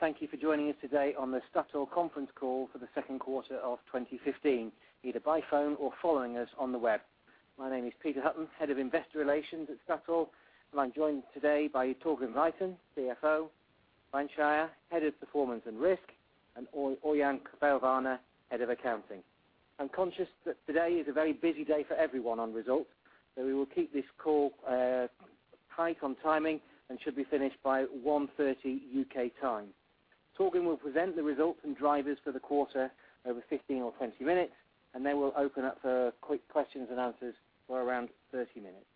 Thank you for joining us today on the Statoil conference call for the second quarter of 2015, either by phone or following us on the web. My name is Peter Hutton, Head of Investor Relations at Statoil, and I'm joined today by Torgrim Reitan, CFO, Svein Skeie, Head of Performance and Risk, and Ørjan Kvelvane, Head of Accounting. I'm conscious that today is a very busy day for everyone on results, so we will keep this call tight on timing and should be finished by 1:30 P.M. UK time. Torgrim Reitan will present the results and drivers for the quarter over 15 or 20 minutes, and then we'll open up for quick questions and answers for around 30 minutes.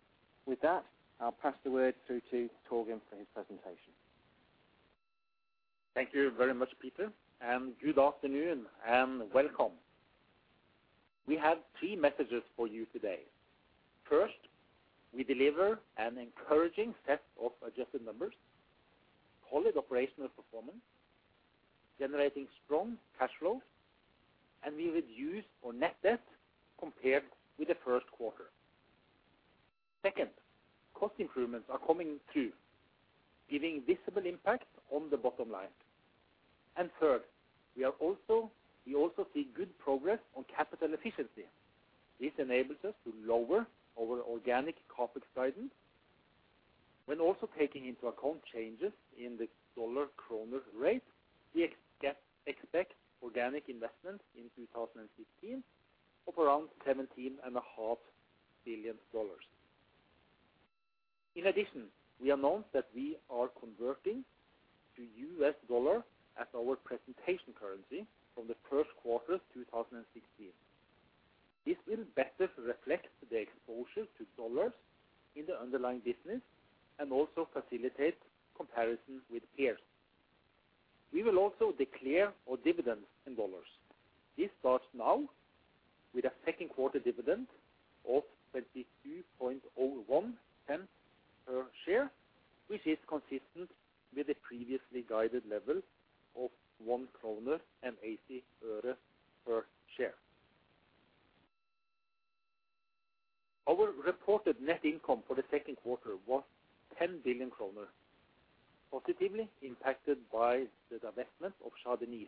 With that, I'll pass the word through to Torgrim Reitan for his presentation. Thank you very much, Peter, and good afternoon and welcome. We have three messages for you today. First, we deliver an encouraging set of adjusted numbers, solid operational performance, generating strong cash flow, and we reduce our net debt compared with the first quarter. Second, cost improvements are coming through, giving visible impact on the bottom line. Third, we also see good progress on capital efficiency. This enables us to lower our organic CapEx guidance. When also taking into account changes in the dollar-kroner rate, we expect organic investments in 2015 of around $17.5 billion. In addition, we announce that we are converting to US dollar as our presentation currency from the first quarter 2016. This will better reflect the exposure to dollars in the underlying business and also facilitate comparisons with peers. We will also declare our dividends in dollars. This starts now with a second quarter dividend of $0.2201 per share, which is consistent with the previously guided level of NOK 1.80 per share. Our reported net income for the second quarter was 10 billion kroner, positively impacted by the divestment of Shah Deniz.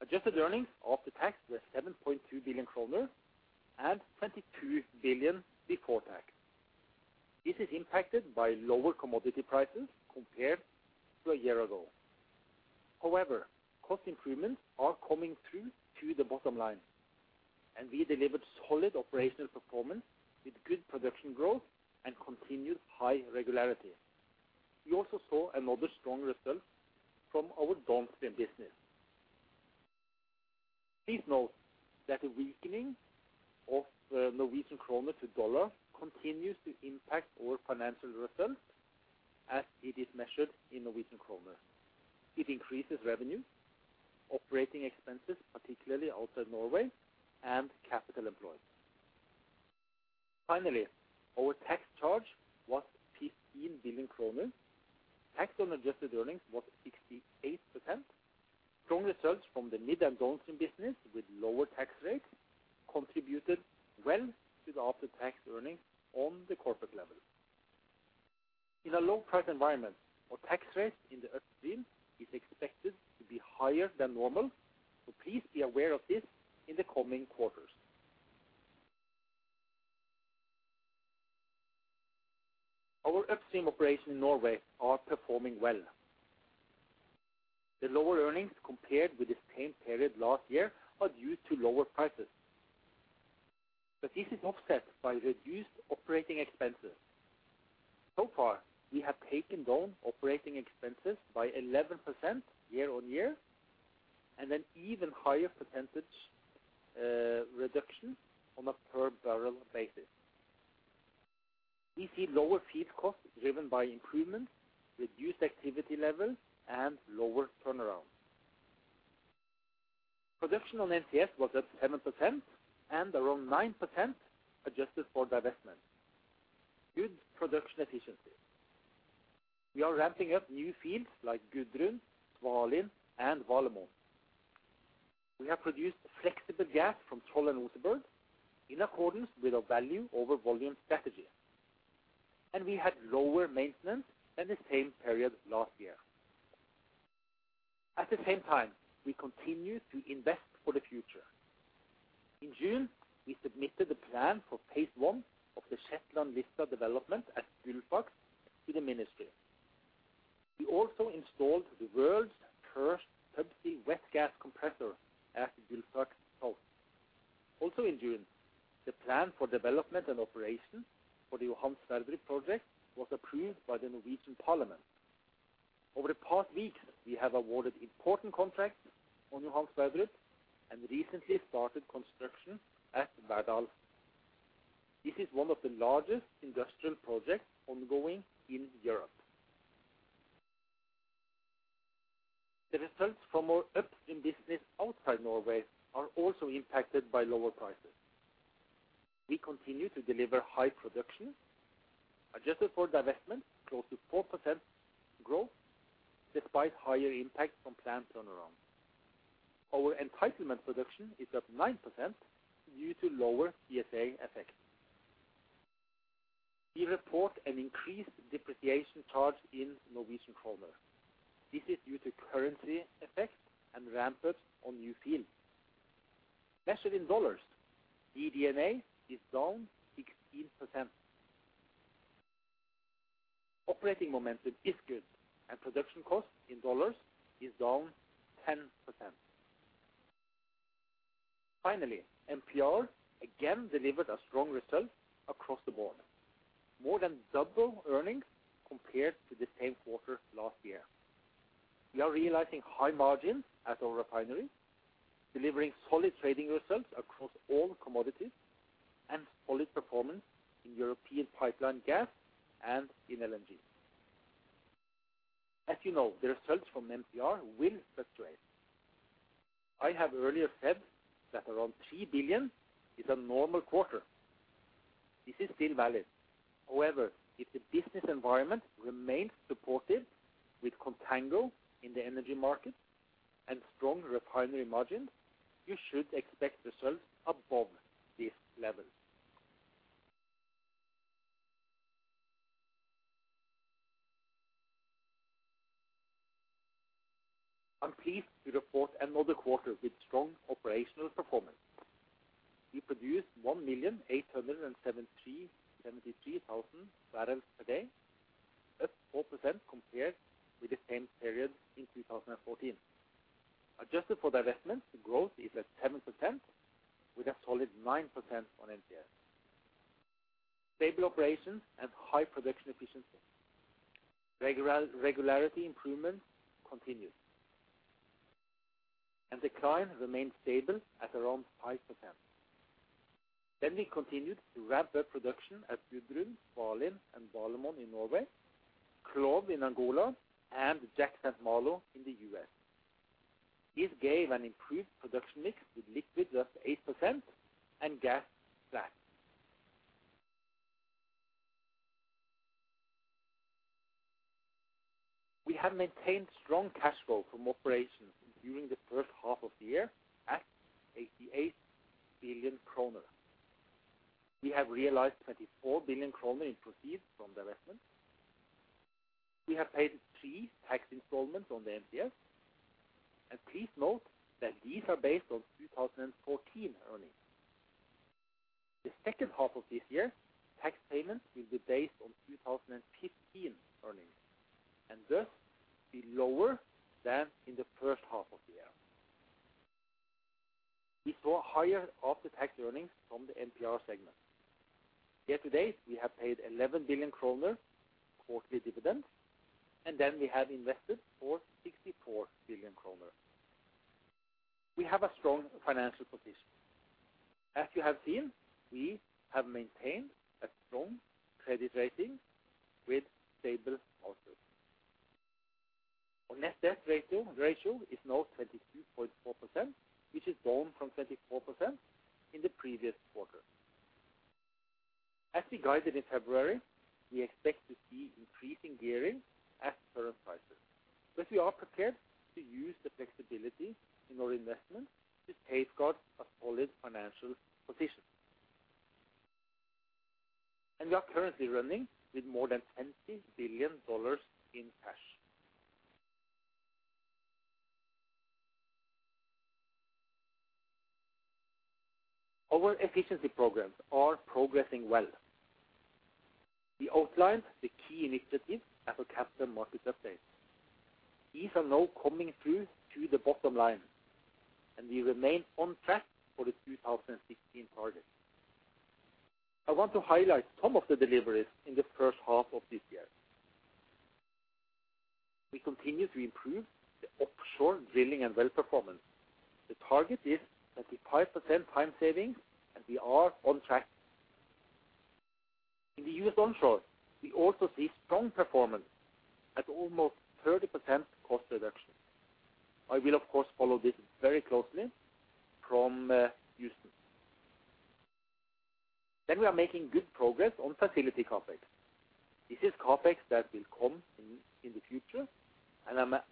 Adjusted earnings after tax were 7.2 billion kroner and 22 billion before tax. This is impacted by lower commodity prices compared to a year ago. However, cost improvements are coming through to the bottom line, and we delivered solid operational performance with good production growth and continued high regularity. We also saw another strong result from our downstream business. Please note that the weakening of the Norwegian kroner to dollar continues to impact our financial results as it is measured in Norwegian kroner. It increases revenue, operating expenses, particularly outside Norway, and capital employed. Finally, our tax charge was 15 billion kroner. Tax on adjusted earnings was 68%. Strong results from the midstream and downstream business with lower tax rates contributed well to the after-tax earnings on the corporate level. In a low-price environment, our tax rate in the upstream is expected to be higher than normal, so please be aware of this in the coming quarters. Our upstream operations in Norway are performing well. The lower earnings compared with the same period last year are due to lower prices. This is offset by reduced operating expenses. So far, we have taken down operating expenses by 11% year-on-year, and an even higher percentage reduction on a per-barrel basis. We see lower field costs driven by improvements, reduced activity levels, and lower turnarounds. Production on NCS was up 7% and around 9% adjusted for divestment. Good production efficiency. We are ramping up new fields like Gudrun, Svalin, and Valemon. We have produced flexible gas from Troll and Oseberg in accordance with our value over volume strategy. We had lower maintenance than the same period last year. At the same time, we continue to invest for the future. In June, we submitted the plan for phase one of the Shetland/Lista development at Gullfaks to the ministry. We also installed the world's first subsea wet gas compressor at the Gullfaks South. Also in June, the plan for development and operation for the Johan Sverdrup project was approved by the Norwegian parliament. Over the past week, we have awarded important contracts on Johan Sverdrup and recently started construction at Verdalsøra. This is one of the largest industrial projects ongoing in Europe. The results from our upstream business outside Norway are also impacted by lower prices. We continue to deliver high production, adjusted for divestment, close to 4% growth despite higher impact from plant turnaround. Our entitlement production is up 9% due to lower PSA effect. We report an increased depreciation charge in Norwegian kroner. This is due to currency effects and ramp-ups on new field. Measured in dollars, DD&A is down 16%. Operating momentum is good and production cost in dollars is down 10%. Finally, MMP again delivered a strong result across the board. More than double earnings compared to the same quarter last year. We are realizing high margins at our refineries, delivering solid trading results across all commodities, and solid performance in European pipeline gas and in LNG. As you know, the results from MMP will fluctuate. I have earlier said that around $3 billion is a normal quarter. This is still valid. However, if the business environment remains supportive with contango in the energy market and strong refinery margins, you should expect results above this level. I'm pleased to report another quarter with strong operational performance. We produced 1,873,000 barrels per day, up 4% compared with the same period in 2014. Adjusted for divestments, the growth is at 7% with a solid 9% on MPS. Stable operations and high production efficiency. Regularity improvements continue. Decline remains stable at around 5%. We continued to ramp up production at Gudrun, Svalin, and Valemon in Norway, CLOV in Angola, and Jack/St. Malo in the US. This gave an improved production mix with liquids up 8% and gas flat. We have maintained strong cash flow from operations during the first half of the year at 88 billion kroner. We have realized 24 billion kroner in proceeds from divestments. We have paid three tax installments on the MMP, and please note that these are based on 2014 earnings. The second half of this year, tax payments will be based on 2015 earnings and thus be lower than in the first half of the year. We saw higher after-tax earnings from the MMP segment. Year-to-date, we have paid 11 billion kroner quarterly dividends, and then we have invested 464 billion kroner. We have a strong financial position. As you have seen, we have maintained a strong credit rating with stable outlook. Our net debt ratio is now 22.4%, which is down from 24% in the previous quarter. As we guided in February, we expect to see increasing gearing at current prices, but we are prepared to use the flexibility in our investments to safeguard a solid financial position. We are currently running with more than $20 billion in cash. Our efficiency programs are progressing well. We outlined the key initiatives at our capital markets update. These are now coming through to the bottom line, and we remain on track for the 2016 target. I want to highlight some of the deliveries in the first half of this year. We continue to improve the offshore drilling and well performance. The target is 35% time savings, and we are on track. In the US onshore, we also see strong performance at almost 30% cost reduction. I will, of course, follow this very closely from Houston. We are making good progress on facility CapEx. This is CapEx that will come in the future.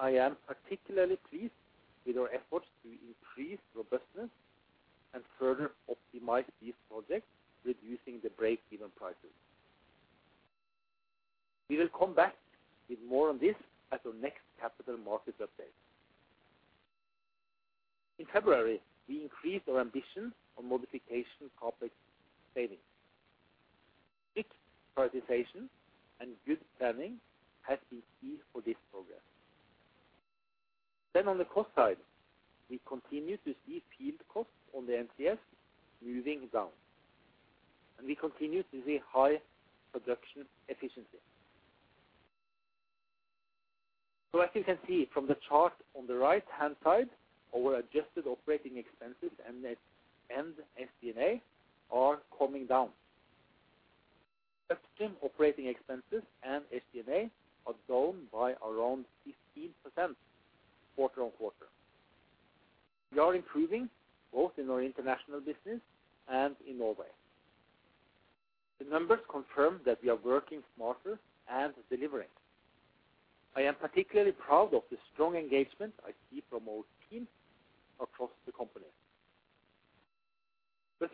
I am particularly pleased with our efforts to increase robustness and further optimize these projects, reducing the break-even prices. We will come back with more on this at our next capital markets update. In February, we increased our ambition on modification CapEx savings. Strict prioritization and good planning has been key for this progress. On the cost side, we continue to see field costs on the NCS moving down, and we continue to see high production efficiency. As you can see from the chart on the right-hand side, our adjusted operating expenses and net DD&A are coming down. Upstream operating expenses and DD&A are down by around 15% quarter-on-quarter. We are improving both in our international business and in Norway. The numbers confirm that we are working smarter and delivering. I am particularly proud of the strong engagement I see from our team across the company.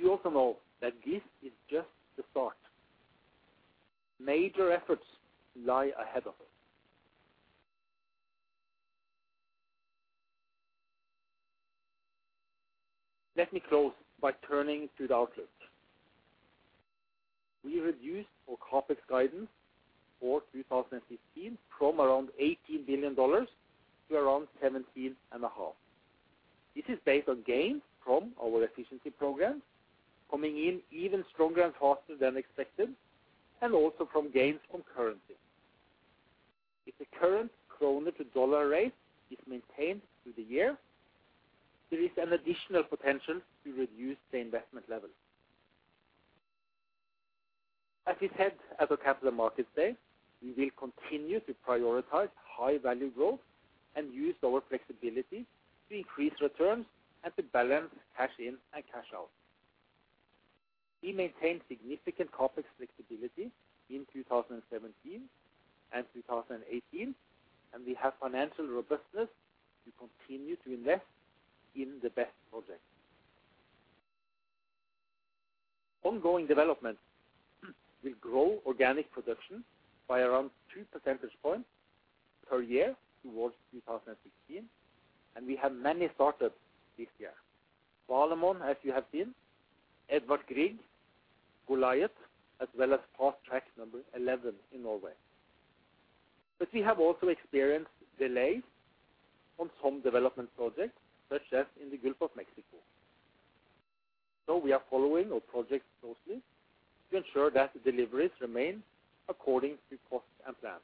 You also know that this is just the start. Major efforts lie ahead of us. Let me close by turning to the outlook. We reduced our CapEx guidance for 2015 from around $18 billion to around $17.5 billion. This is based on gains from our efficiency programs coming in even stronger and faster than expected, and also from gains from currency. If the current kroner to dollar rate is maintained through the year, there is an additional potential to reduce the investment level. As we said at our capital markets day, we will continue to prioritize high-value growth and use our flexibility to increase returns and to balance cash in and cash out. We maintain significant CapEx flexibility in 2017 and 2018, and we have financial robustness to continue to invest in the best projects. Ongoing development will grow organic production by around 2 percentage points per year towards 2016, and we have many startups this year. Valemon, as you have seen, Edvard Grieg, Goliat, as well as fast-track number 11 in Norway. We have also experienced delays on some development projects, such as in the Gulf of Mexico. We are following our projects closely to ensure that the deliveries remain according to cost and plan.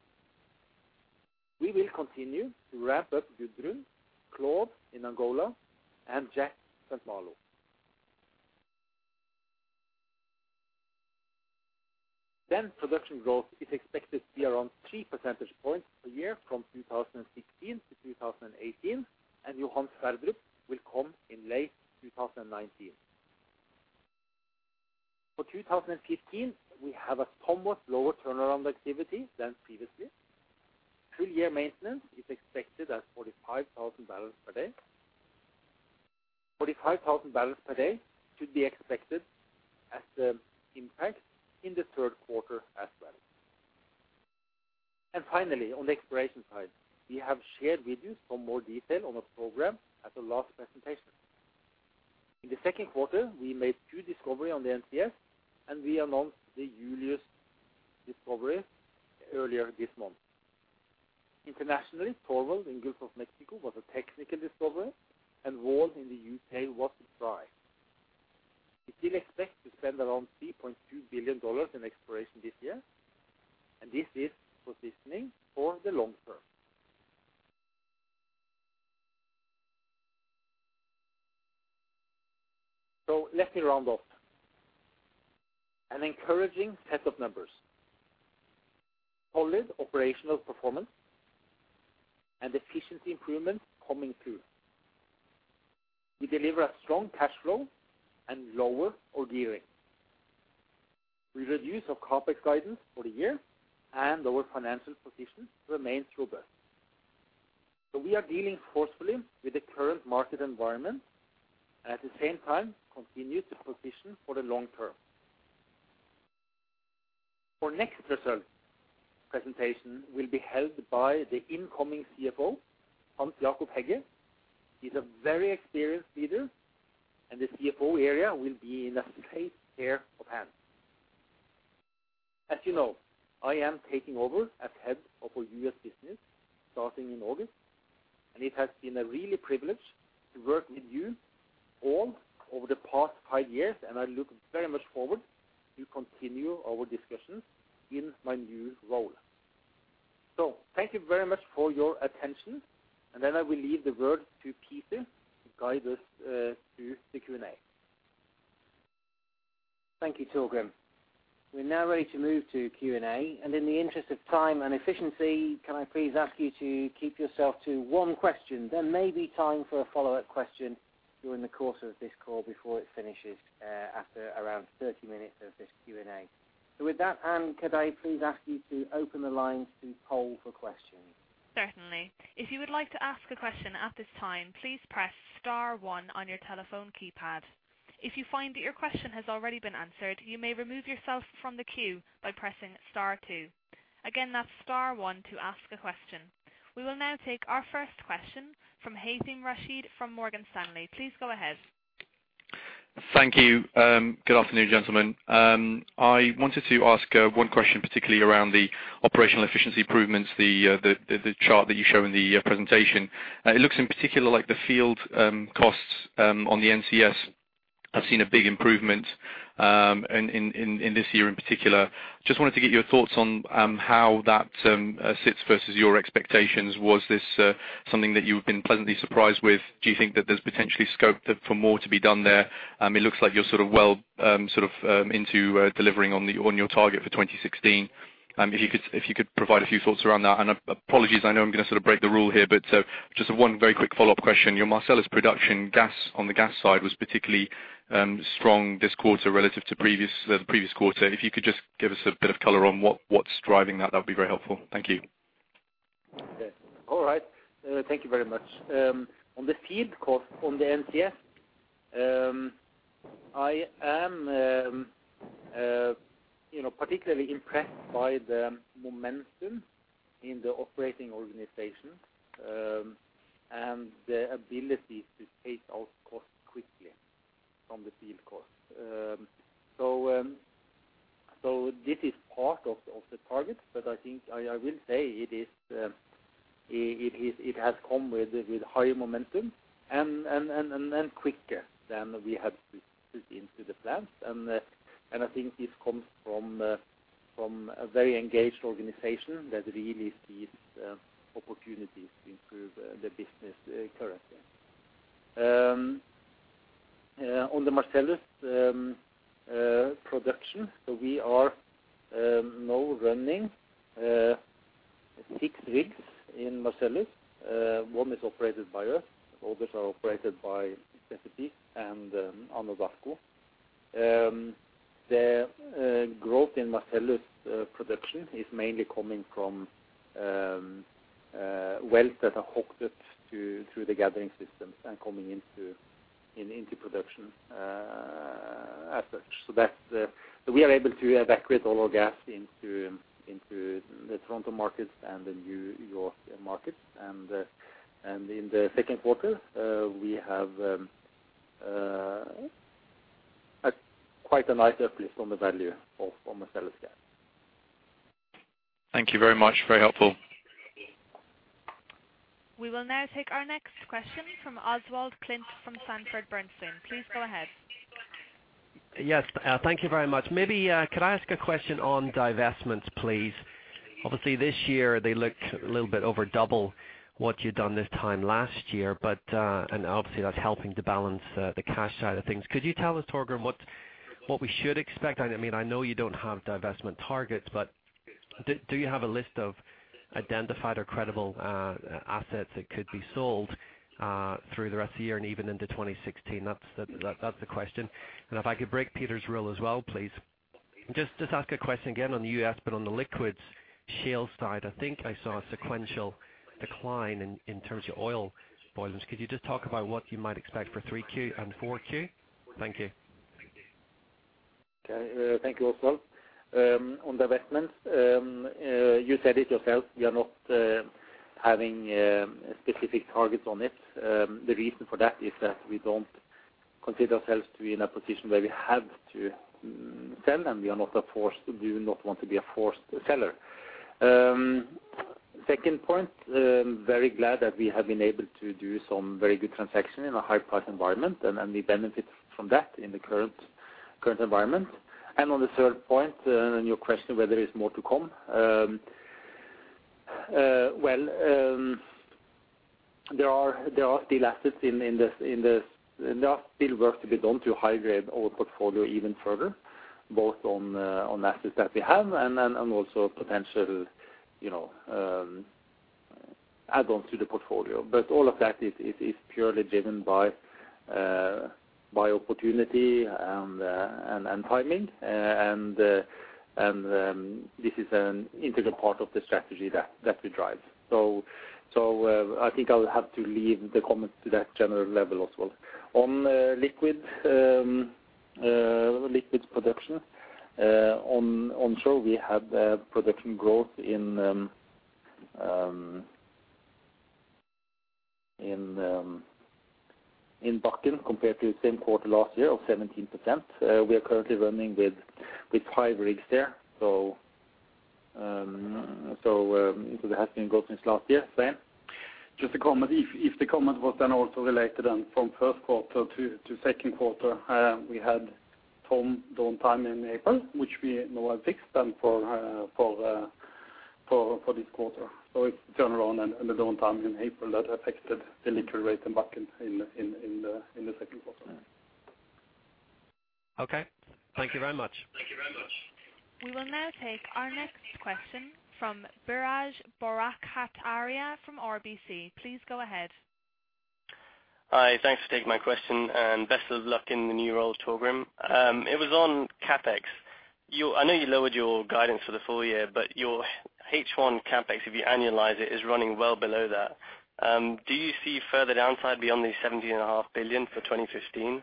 We will continue to ramp up Gudrun, CLOV in Angola, and Jack/St. Malo. Production growth is expected to be around 3 percentage points a year from 2016 to 2018, and Johan Sverdrup will come in late 2019. For 2015, we have a somewhat lower turnaround activity than previously. Full-year maintenance is expected at 45,000 barrels per day. 45,000 barrels per day should be expected as the impact in the third quarter as well. Finally, on the exploration side, we have shared with you some more detail on our program at the last presentation. In the second quarter, we made 2 discoveries on the NCS, and we announced the Julius discovery earlier this month. Internationally, Thorvald in Gulf of Mexico was a technical discovery, and Valemon in the UK was a surprise. We still expect to spend around $3.2 billion in exploration this year, and this is positioning for the long term. Let me round up. An encouraging set of numbers, solid operational performance, and efficiency improvements coming through. We deliver a strong cash flow and lower our gearing. We reduce our CapEx guidance for the year, and our financial position remains robust. We are dealing forcefully with the current market environment and at the same time continue to position for the long term. Our next results presentation will be held by the incoming CFO, Hans Jakob Hegge. He's a very experienced leader, and the CFO area will be in a safe pair of hands. As you know, I am taking over as head of our U.S. business starting in August, and it has been a real privilege to work with you all over the past five years, and I look very much forward to continue our discussions in my new role. Thank you very much for your attention. Then I will leave the word to Peter to guide us through the Q&A. Thank you, Torgrim. We're now ready to move to Q&A, and in the interest of time and efficiency, can I please ask you to keep yourself to one question? There may be time for a follow-up question during the course of this call before it finishes, after around 30 minutes of this Q&A. With that, Arne, could I please ask you to open the lines to poll for questions? Certainly. If you would like to ask a question at this time, please press star one on your telephone keypad. If you find that your question has already been answered, you may remove yourself from the queue by pressing star two. Again, that's star one to ask a question. We will now take our first question from Haythem Rashed from Morgan Stanley. Please go ahead. Thank you. Good afternoon, gentlemen. I wanted to ask one question, particularly around the operational efficiency improvements, the chart that you show in the presentation. It looks in particular like the field costs on the NCS have seen a big improvement in this year in particular. Just wanted to get your thoughts on how that sits versus your expectations. Was this something that you've been pleasantly surprised with? Do you think that there's potentially scope for more to be done there? It looks like you're sort of well into delivering on your target for 2016. If you could provide a few thoughts around that. Apologies, I know I'm gonna sort of break the rule here, but just one very quick follow-up question. Your Marcellus production gas, on the gas side, was particularly strong this quarter relative to the previous quarter. If you could just give us a bit of color on what's driving that'd be very helpful. Thank you. Okay. All right. Thank you very much. On the field cost on the NCS, I am, particularly impressed by the momentum in the operating organization, and the ability to take out costs quickly from the field costs. This is part of the target, but I think I will say it is, it has come with higher momentum and quicker than we had predicted into the plans. I think this comes from a very engaged organization that really sees opportunities to improve the business currently. On the Marcellus production, we are now running 6 rigs in Marcellus. One is operated by us, others are operated by EQT and Anadarko. The growth in Marcellus production is mainly coming from wells that are hooked up to the gathering systems and coming into production as such. We are able to evacuate all our gas into the Toronto markets and the New York markets. In the second quarter, we have quite a nice uplift on the value of Marcellus gas. Thank you very much. Very helpful. We will now take our next question from Oswald Clint from Sanford C. Bernstein. Please go ahead. Yes. Thank you very much. Maybe could I ask a question on divestments please? Obviously this year they look a little bit over double what you'd done this time last year, but and obviously that's helping to balance the cash side of things. Could you tell us, Torgrim, what we should expect? I mean, I know you don't have divestment targets, but do you have a list of identified or credible assets that could be sold through the rest of the year and even into 2016? That's the question. If I could break Peter's rule as well please, just ask a question again on the U.S. but on the liquids shale side. I think I saw a sequential decline in terms of oil volumes. Could you just talk about what you might expect for 3Q and 4Q? Thank you. Okay. Thank you, Oswald. On divestments, you said it yourself, we are not having specific targets on it. The reason for that is that we don't consider ourselves to be in a position where we have to sell, and we do not want to be a forced seller. Second point, very glad that we have been able to do some very good transaction in a high price environment, and we benefit from that in the current environment. On the third point, on your question whether there's more to come, well, there are still assets in the. There are still work to be done to high-grade our portfolio even further, both on assets that we have and also potential, you know, add-ons to the portfolio. All of that is purely driven by opportunity and timing. This is an integral part of the strategy that we drive. I think I'll have to leave the comments to that general level, Oswald. On liquids production, onshore we have production growth in Bakken compared to same quarter last year of 17%. We are currently running with five rigs there. So there has been growth since last year, same. Just a comment, if the comment was then also related on from first quarter to second quarter, we had some downtime in April, which we now have fixed and for this quarter. It's turnaround and the downtime in April that affected the liquid rate in Bakken in the second quarter. Okay. Thank you very much. We will now take our next question from Biraj Borkhataria from RBC. Please go ahead. Hi. Thanks for taking my question, and best of luck in the new role, Torgrim. It was on CapEx. I know you lowered your guidance for the full year, but your H1 CapEx, if you annualize it, is running well below that. Do you see further downside beyond the 17.5 billion for 2015?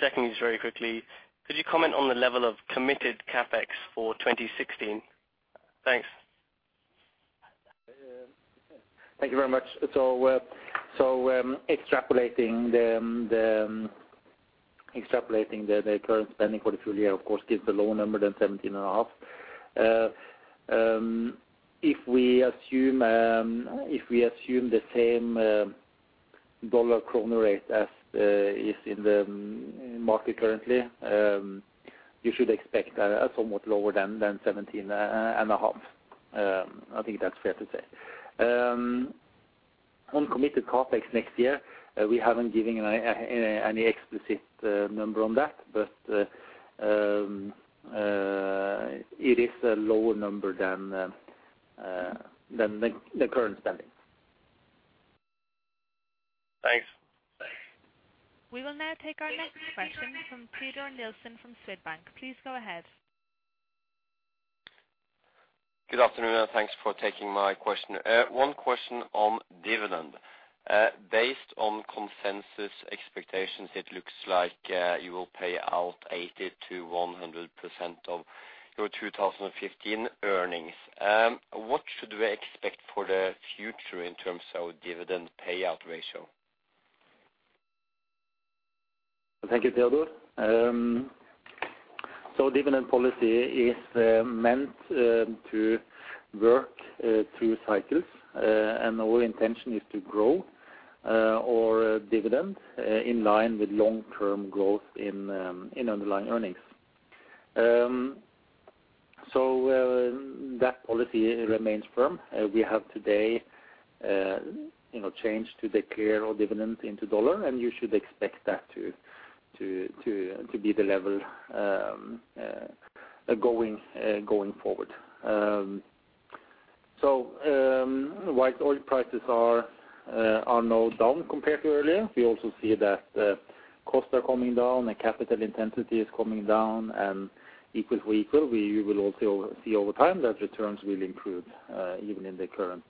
Second, very quickly, could you comment on the level of committed CapEx for 2016? Thanks. Thank you very much. Extrapolating the current spending for the full year of course gives a lower number than 17.5. If we assume the same dollar-kroner rate as is in the market currently, you should expect a somewhat lower than 17.5. I think that's fair to say. On committed CapEx next year, we haven't given any explicit number on that. It is a lower number than the current spending. Thanks. We will now take our next question from Teodor Sveen-Nilsen from Swedbank. Please go ahead. Good afternoon, and thanks for taking my question. One question on dividend. Based on consensus expectations, it looks like you will pay out 80%-100% of your 2015 earnings. What should we expect for the future in terms of dividend payout ratio? Thank you, Teodor. Dividend policy is meant to work through cycles. Our intention is to grow our dividend in line with long-term growth in underlying earnings. That policy remains firm. We have today, changed to declare our dividend in dollars, and you should expect that to be the level going forward. While oil prices are now down compared to earlier, we also see that costs are coming down and capital intensity is coming down. All else equal, we will also see over time that returns will improve even in the current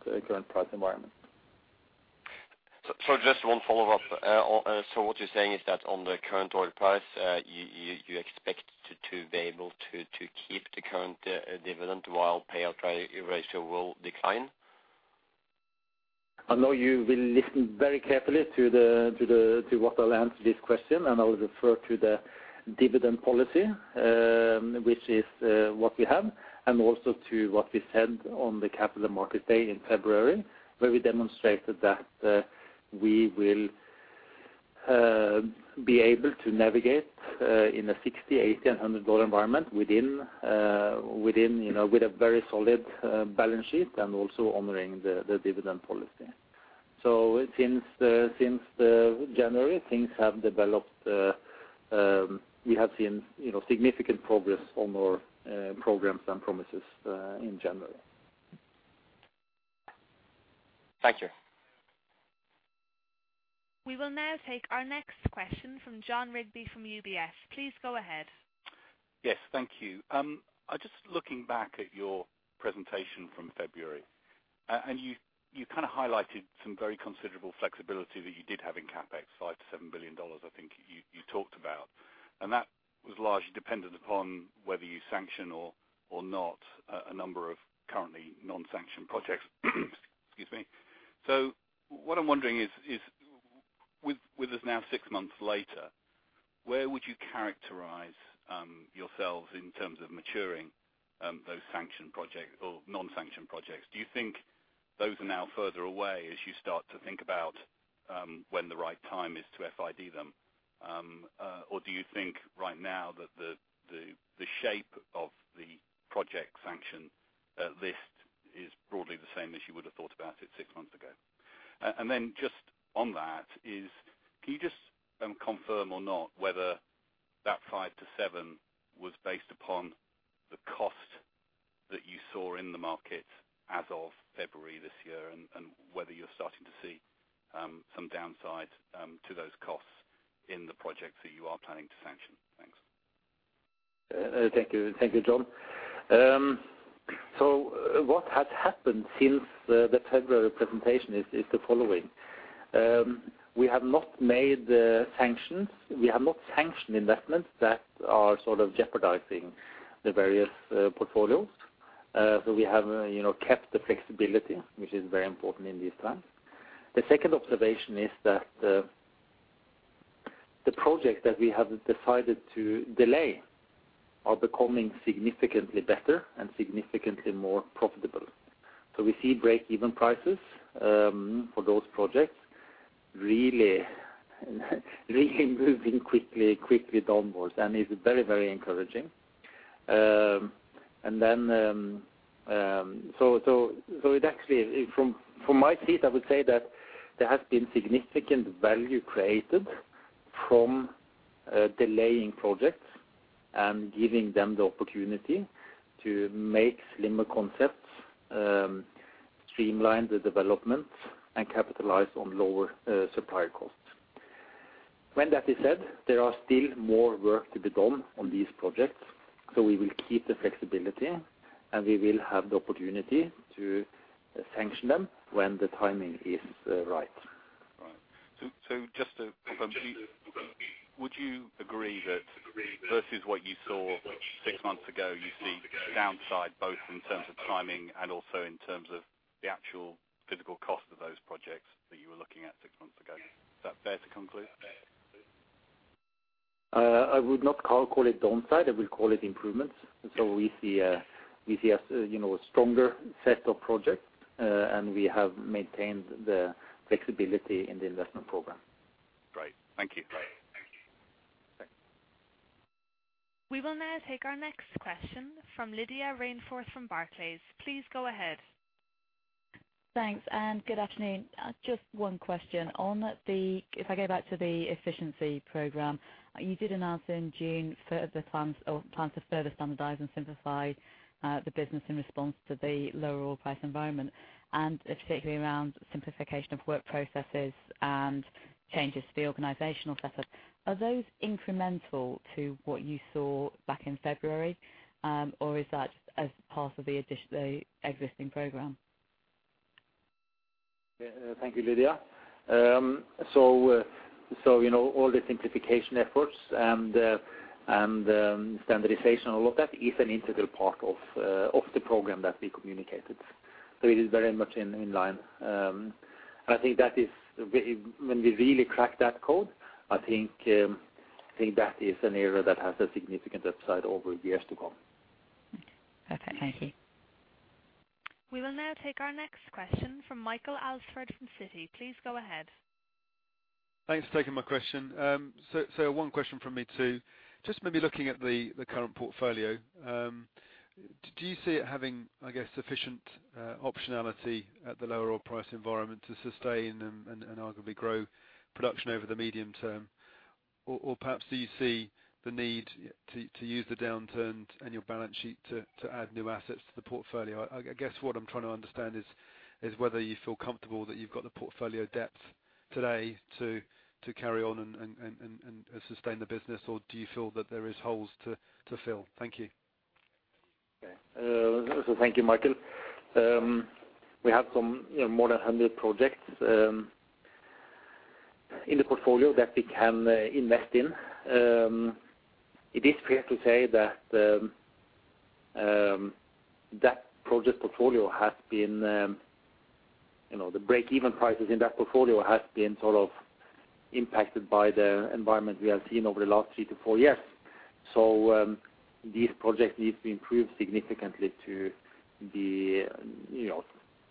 price environment. Just one follow-up. What you're saying is that on the current oil price, you expect to be able to keep the current dividend while payout ratio will decline? I know you will listen very carefully to what I'll answer this question, and I will refer to the dividend policy, which is what we have, and also to what we said on the Capital Markets Day in February, where we demonstrated that we will be able to navigate in the $60, $80, and $100 environment within, with a very solid balance sheet and also honoring the dividend policy. Since January, things have developed, we have seen, significant progress on our programs and projects in January. Thank you. We will now take our next question from Jon Rigby from UBS. Please go ahead. Yes, thank you. I'm just looking back at your presentation from February. You kind of highlighted some very considerable flexibility that you did have in CapEx, $5 billion-$7 billion, I think you talked about. That was largely dependent upon whether you sanction or not a number of currently non-sanctioned projects. Excuse me. What I'm wondering is, with us now six months later, where would you characterize yourselves in terms of maturing those sanctioned project or non-sanctioned projects? Do you think those are now further away as you start to think about when the right time is to FID them? Or do you think right now that the shape of the project sanction list is broadly the same as you would have thought about it six months ago? Just on that, can you confirm or not whether that 5-7 was based upon the cost that you saw in the market as of February this year, and whether you're starting to see some downsides to those costs in the projects that you are planning to sanction? Thanks. Thank you. Thank you, Jon. What has happened since the February presentation is the following. We have not sanctioned investments that are sort of jeopardizing the various portfolios. So we have, you know, kept the flexibility, which is very important in these times. The second observation is that the projects that we have decided to delay are becoming significantly better and significantly more profitable. We see break-even prices for those projects really moving quickly downwards, and it's very encouraging. It actually, from my seat, I would say that there has been significant value created from delaying projects and giving them the opportunity to make slimmer concepts, streamline the development and capitalize on lower supplier costs. When that is said, there are still more work to be done on these projects, so we will keep the flexibility, and we will have the opportunity to sanction them when the timing is right. Right. Just to confirm, would you agree that versus what you saw six months ago, you see downside both in terms of timing and also in terms of the actual physical cost of those projects that you were looking at six months ago? Is that fair to conclude? I would not call it downside. I will call it improvements. We see, a stronger set of projects, and we have maintained the flexibility in the investment program. Great. Thank you. Thanks. We will now take our next question from Lydia Rainforth from Barclays. Please go ahead. Thanks, good afternoon. Just one question if I go back to the efficiency program, you did announce in June further plans or plan to further standardize and simplify the business in response to the lower oil price environment, and particularly around simplification of work processes and changes to the organizational setup. Are those incremental to what you saw back in February? Is that as part of the existing program? Yeah. Thank you, Lydia. All the simplification efforts and the standardization and all that is an integral part of the program that we communicated. It is very much in line. I think that is when we really crack that code. I think that is an area that has a significant upside over years to come. Okay. Thank you. We will now take our next question from Michael Alsford from Citi. Please go ahead. Thanks for taking my question. One question from me too, just maybe looking at the current portfolio, do you see it having, I guess, sufficient optionality at the lower oil price environment to sustain and arguably grow production over the medium term? Or perhaps do you see the need to use the downturn and your balance sheet to add new assets to the portfolio? I guess what I'm trying to understand is whether you feel comfortable that you've got the portfolio depth today to carry on and sustain the business or do you feel that there is holes to fill? Thank you. Okay. Thank you, Michael. We have some, you know, more than 100 projects in the portfolio that we can invest in. It is fair to say that that project portfolio has been, you know, the break-even prices in that portfolio has been sort of impacted by the environment we have seen over the last three to four years. These projects need to be improved significantly to be,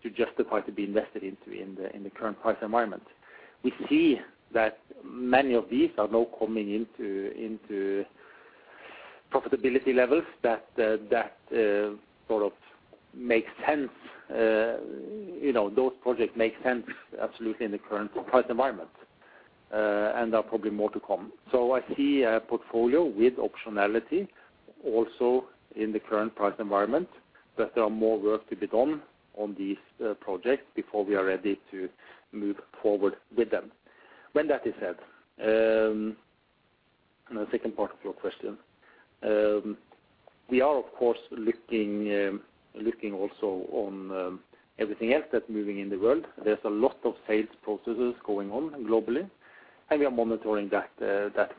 to justify to be invested into in the current price environment. We see that many of these are now coming into profitability levels that that sort of make sense. Those projects make sense absolutely in the current price environment, and are probably more to come. I see a portfolio with optionality also in the current price environment, but there are more work to be done on these projects before we are ready to move forward with them. When that is said, and the second part of your question, we are of course looking also on everything else that's moving in the world. There's a lot of sales processes going on globally, and we are monitoring that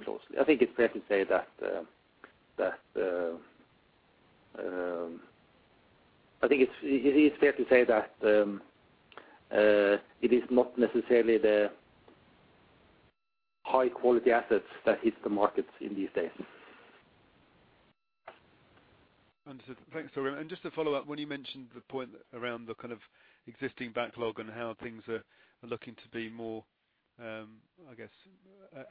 closely. I think it is fair to say that it is not necessarily the high quality assets that hit the markets in these days. Understood. Thanks, Tor. Just to follow up, when you mentioned the point around the kind of existing backlog and how things are looking to be more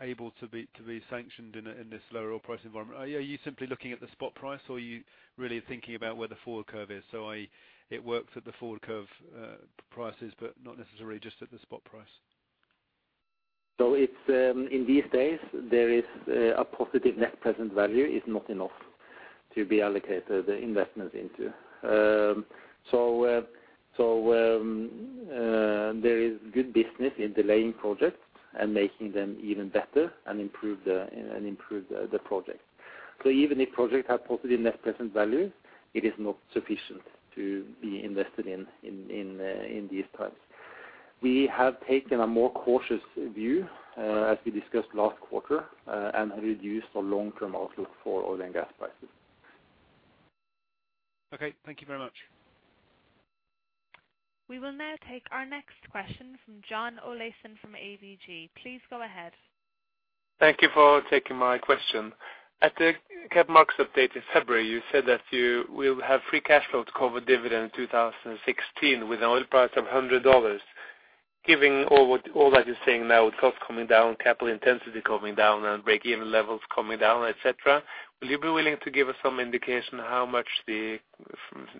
able to be sanctioned in this lower oil price environment, are you simply looking at the spot price or are you really thinking about where the forward curve is? It works at the forward curve prices, but not necessarily just at the spot price. It's in these days, there is a positive net present value is not enough to be allocated the investments into. There is good business in delaying projects and making them even better and improve the project. Even if project have positive net present value, it is not sufficient to be invested in these times. We have taken a more cautious view, as we discussed last quarter, and have reduced our long-term outlook for oil and gas prices. Okay. Thank you very much. We will now take our next question from John Olaisen from ABG. Please go ahead. Thank you for taking my question. At the CapEx update in February, you said that you will have free cash flow to cover dividend in 2016 with an oil price of $100. Given all that you're saying now with costs coming down, capital intensity coming down, and break-even levels coming down, et cetera, will you be willing to give us some indication how much the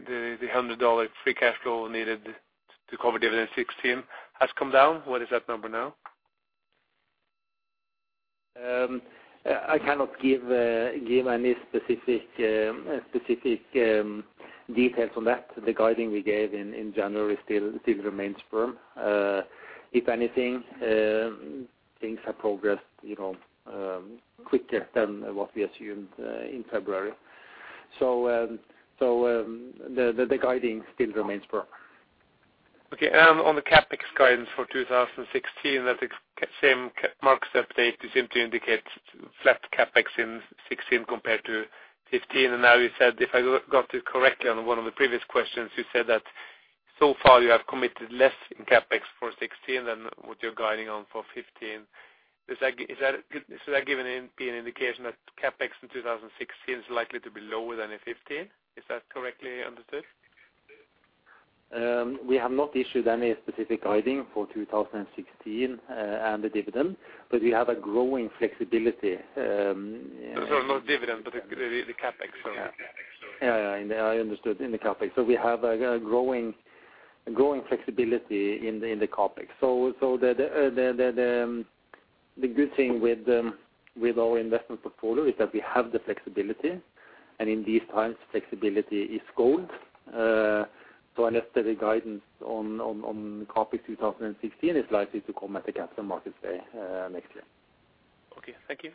$100 free cash flow needed to cover dividend 2016 has come down? What is that number now? I cannot give any specific details on that. The guidance we gave in January still remains firm. If anything, things have progressed, you know, quicker than what we assumed in February. The guidance still remains firm. Okay. On the CapEx guidance for 2016, at the same March update, you seem to indicate flat CapEx in 2016 compared to 2015. Now you said, if I got it correctly on one of the previous questions, you said that so far you have committed less in CapEx for 2016 than what you're guiding on for 2015. Does that give an indication that CapEx in 2016 is likely to be lower than in 2015? Is that correctly understood? We have not issued any specific guidance for 2016 and the dividend, but we have a growing flexibility. Not dividend, but the CapEx. Sorry. Yeah. CapEx, sorry. Yeah. I understood in the CapEx. We have a growing flexibility in the CapEx. The good thing with our investment portfolio is that we have the flexibility, and in these times, flexibility is gold. Any further guidance on CapEx 2016 is likely to come at the Capital Markets Day next year. Okay, thank you.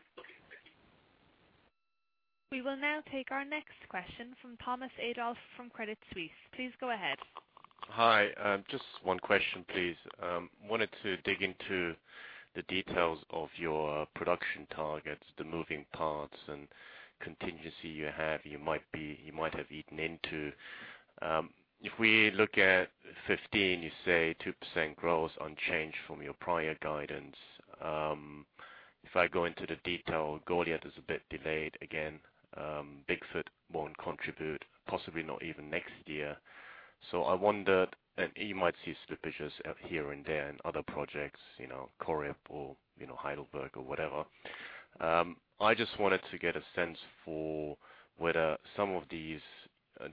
We will now take our next question from Thomas Adolff from Credit Suisse. Please go ahead. Hi. Just one question, please. Wanted to dig into the details of your production targets, the moving parts and contingency you have, you might have eaten into. If we look at 15, you say 2% growth unchanged from your prior guidance. If I go into the detail, Goliat is a bit delayed again. Bigfoot won't contribute, possibly not even next year. I wondered, and you might see slippages here and there in other projects, you know, Corrib or, you know, Heidelberg or whatever. I just wanted to get a sense for whether some of these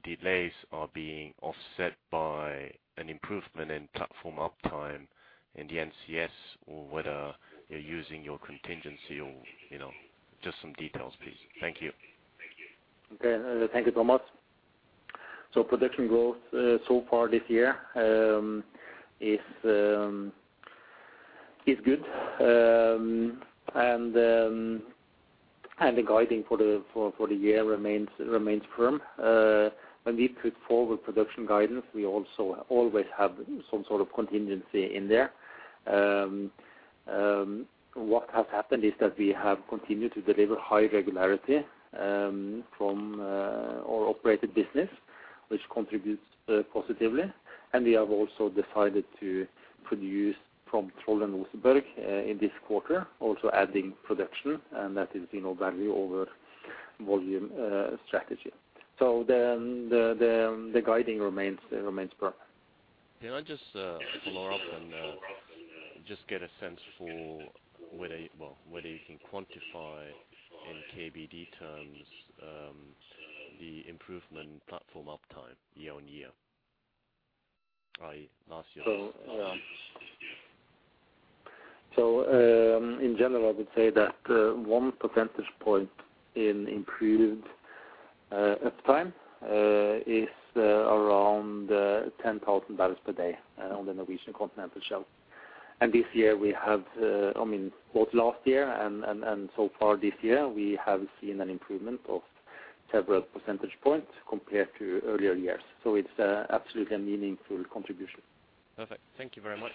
delays are being offset by an improvement in platform uptime in the NCS or whether you're using your contingency or, you know, just some details, please. Thank you. Okay. Thank you, Thomas. Production growth so far this year is good. The guidance for the year remains firm. When we put forward production guidance, we also always have some sort of contingency in there. What has happened is that we have continued to deliver high regularity from our operated business, which contributes positively. We have also decided to produce from Troll and Oseberg in this quarter, also adding production, and that is, you know, value over volume strategy. The guidance remains firm. Can I just follow up and just get a sense for whether well whether you can quantify in KBD terms the improvement in platform uptime year on year? Last year. In general, I would say that one percentage point in improved uptime is around 10,000 barrels per day on the Norwegian Continental Shelf. This year we have, I mean, both last year and so far this year, we have seen an improvement of several percentage points compared to earlier years. It's absolutely a meaningful contribution. Perfect. Thank you very much.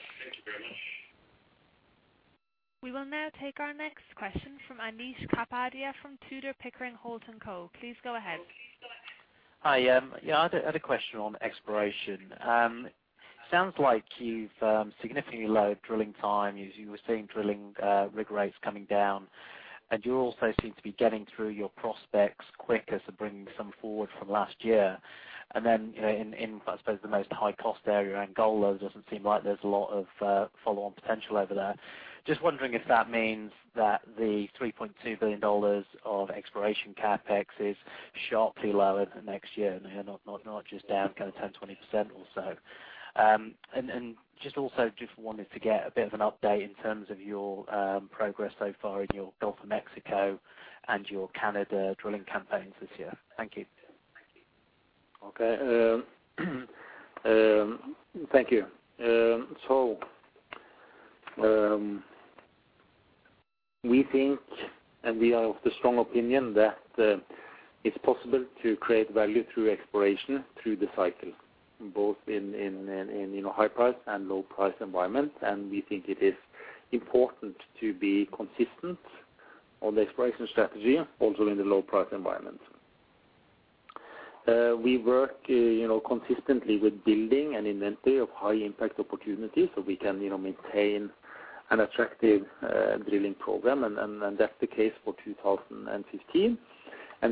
We will now take our next question from Anish Kapadia from Tudor, Pickering, Holt & Co. Please go ahead. Hi. Yeah, I had a question on exploration. Sounds like you've significantly lowered drilling time as you were seeing drilling rig rates coming down. You also seem to be getting through your prospects quicker, so bringing some forward from last year. Then, you know, in, I suppose the most high cost area, Angola, though, it doesn't seem like there's a lot of follow-on potential over there. Just wondering if that means that the $3.2 billion of exploration CapEx is sharply lower for next year and not just down kind of 10-20% or so. Just wanted to get a bit of an update in terms of your progress so far in your Gulf of Mexico and your Canada drilling campaigns this year. Thank you. We think, and we are of the strong opinion that it's possible to create value through exploration through the cycle, both in a high price and low price environment. We think it is important to be consistent on the exploration strategy also in the low price environment. We work you know consistently with building an inventory of high impact opportunities, so we can you know maintain an attractive drilling program, and that's the case for 2015.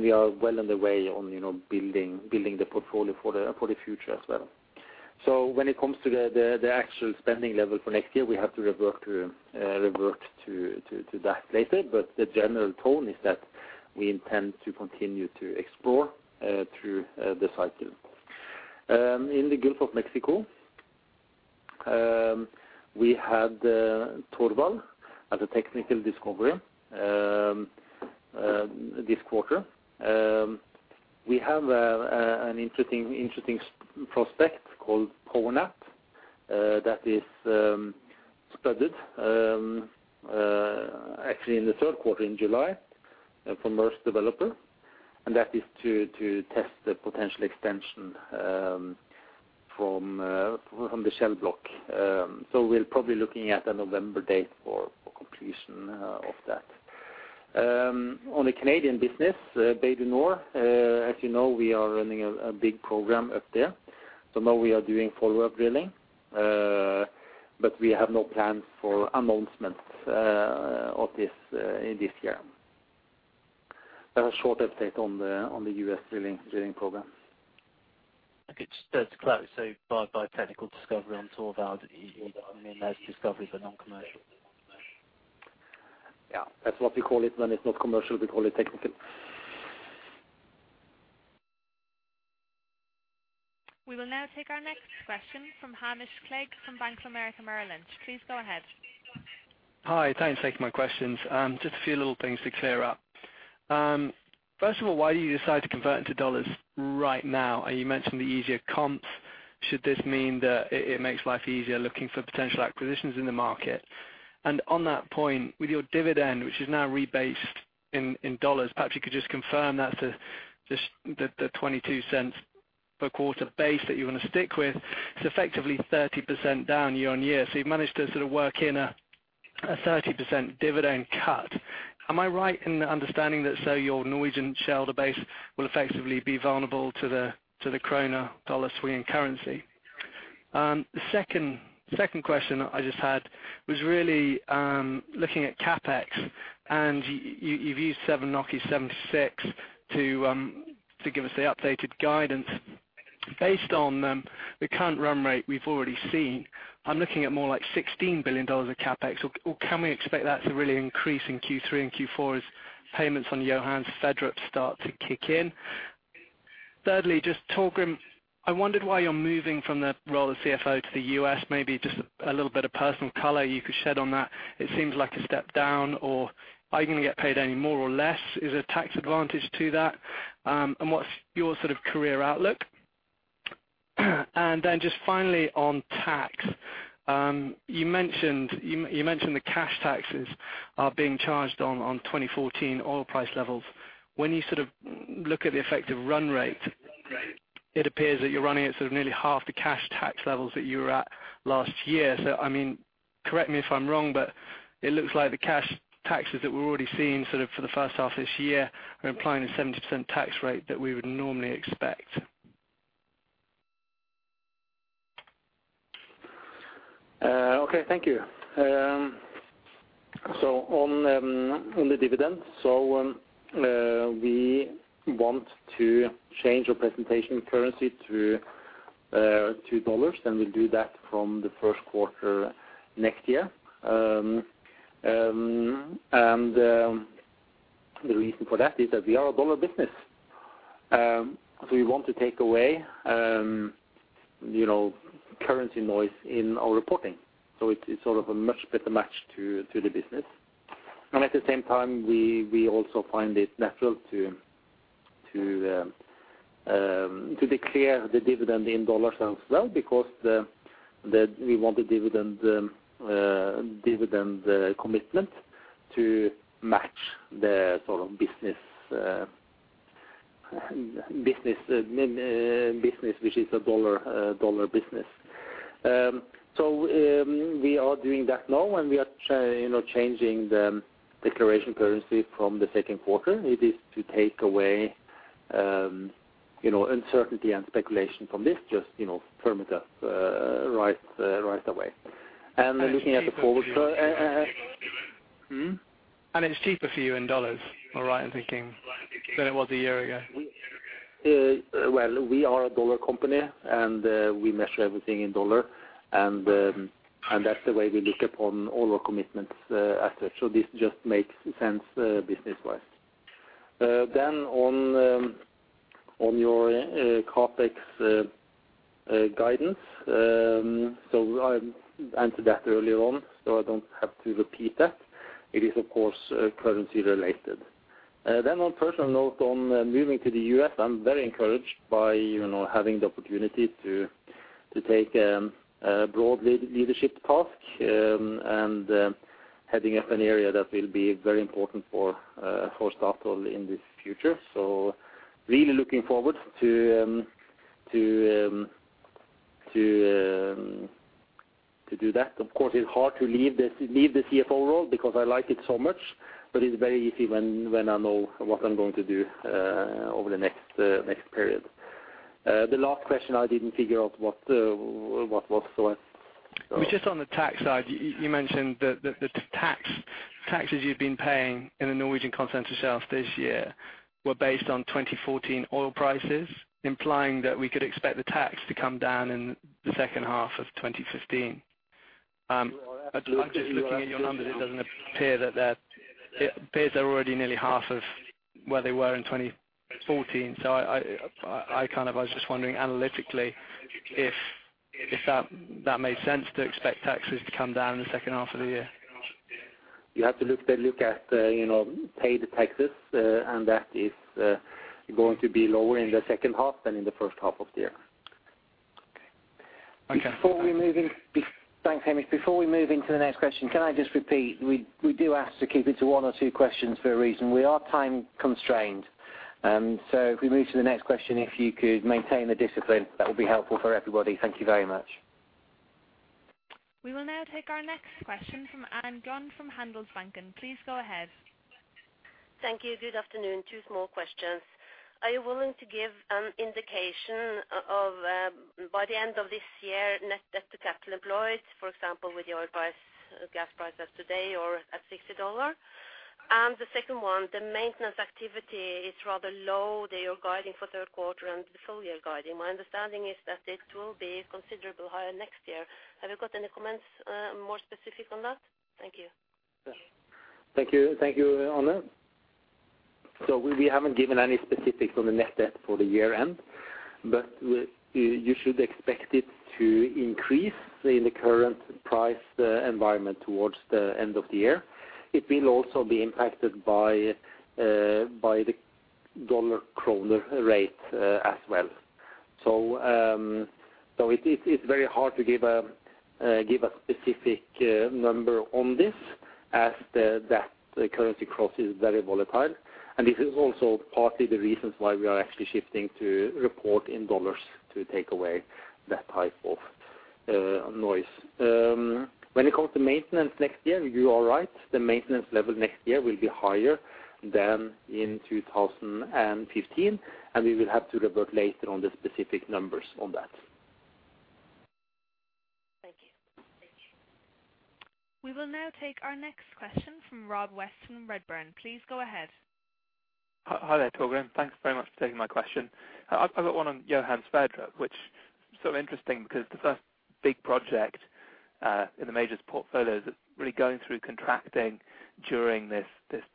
We are well on the way you know building the portfolio for the future as well. When it comes to the actual spending level for next year, we have to revert to that later. The general tone is that we intend to continue to explore through the cycle. In the Gulf of Mexico, we had Torvald as a technical discovery this quarter. We have an interesting prospect called Pony that is spudded actually in the third quarter in July from Mærsk Developer, and that is to test the potential extension from the Shell block. We're probably looking at a November date for completion of that. On the Canadian business, Bay du Nord, as you know, we are running a big program up there. Now we are doing follow-up drilling, but we have no plans for announcements of this year. That's a short update on the US drilling program. Okay. Just to clarify, so by technical discovery on Torvald, you, I mean, that's discovery but non-commercial? Yeah. That's what we call it when it's not commercial. We call it technical. We will now take our next question from Hamish Clegg from Bank of America Merrill Lynch. Please go ahead. Hi. Thanks for taking my questions. Just a few little things to clear up. First of all, why you decided to convert into dollars right now? You mentioned the easier comps. Should this mean that it makes life easier looking for potential acquisitions in the market? On that point, with your dividend, which is now rebased in dollars, perhaps you could just confirm that's the $0.22 per quarter base that you wanna stick with. It's effectively 30% down year-on-year. You've managed to sort of work in a 30% dividend cut. Am I right in understanding that, so your Norwegian shareholder base will effectively be vulnerable to the krona dollar swing in currency? The second question I just had was really looking at CapEx. You have used 7.76 NOK to give us the updated guidance. Based on the current run rate we've already seen, I'm looking at more like $16 billion of CapEx, or can we expect that to really increase in Q3 and Q4 as payments on Johan Sverdrup start to kick in? Thirdly, just Torgrim, I wondered why you're moving from the role of CFO to the U.S., maybe just a little bit of personal color you could shed on that. It seems like a step down, or are you gonna get paid any more or less? Is there a tax advantage to that? What's your sort of career outlook? On tax, you mentioned the cash taxes are being charged on 2014 oil price levels. When you sort of look at the effective run rate, it appears that you're running at sort of nearly half the cash tax levels that you were at last year. I mean, correct me if I'm wrong, but it looks like the cash taxes that we're already seeing sort of for the first half this year are implying a 70% tax rate that we would normally expect. Okay, thank you. On the dividends, we want to change our presentation currency to dollars, and we'll do that from the first quarter next year. The reason for that is that we are a dollar business. We want to take away, you know, currency noise in our reporting. It's sort of a much better match to the business. At the same time, we also find it natural to declare the dividend in dollars as well because we want the dividend commitment to match the sort of business which is a dollar business. We are doing that now, and we are changing the presentation currency from the second quarter. It is to take away, uncertainty and speculation from this, just you know, firm it up, right away. Looking forward. It's cheaper for you in dollars, am I right in thinking, than it was a year ago? We are a dollar company, and we measure everything in dollar. That's the way we look upon all our commitments as such. This just makes sense business-wise. On your CapEx guidance, I answered that earlier on, I don't have to repeat that. It is of course currency related. On personal note on moving to the U.S., I'm very encouraged by, having the opportunity to take a broad leadership task, and heading up an area that will be very important for Statoil in the future. Really looking forward to do that. Of course, it's hard to leave the CFO role because I like it so much, but it's very easy when I know what I'm going to do over the next period. The last question, I didn't figure out what was, so I. It was just on the tax side. You mentioned the taxes you've been paying in the Norwegian Continental Shelf this year were based on 2014 oil prices, implying that we could expect the tax to come down in the second half of 2015. I'm just looking at your numbers. It appears they're already nearly half of where they were in 2014. I kind of was just wondering analytically if that made sense to expect taxes to come down in the second half of the year. You have to look at, paid taxes, and that is going to be lower in the second half than in the first half of the year. Okay. Okay. Thanks, Hamish. Before we move into the next question, can I just repeat, we do ask to keep it to one or two questions for a reason. We are time-constrained. So if we move to the next question, if you could maintain the discipline, that would be helpful for everybody. Thank you very much. We will now take our next question from Anne Gjøen from Handelsbanken. Please go ahead. Thank you. Good afternoon. Two small questions. Are you willing to give an indication of, by the end of this year, net debt to capital employed, for example, with the oil price, gas price as today or at $60? The second one, the maintenance activity is rather low that you're guiding for third quarter and the full year guiding. My understanding is that it will be considerably higher next year. Have you got any comments, more specific on that? Thank you. Yes. Thank you. Thank you, Anne. We haven't given any specifics on the net debt for the year-end. You should expect it to increase in the current price environment towards the end of the year. It will also be impacted by the dollar-krona rate as well. It's very hard to give a specific number on this as that currency cross is very volatile. This is also partly the reasons why we are actually shifting to report in dollars to take away that type of noise. When it comes to maintenance next year, you are right. The maintenance level next year will be higher than in 2015, and we will have to revert later on the specific numbers on that. Thank you. We will now take our next question from Rob West, Redburn. Please go ahead. Hi there, Torgrim. Thanks very much for taking my question. I've got one on Johan Sverdrup, which is sort of interesting because the first big project in the majors portfolios is really going through contracting during this